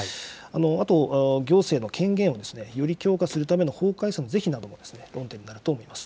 あと、行政の権限をより強化するための法改正の是非なども論点になると思います。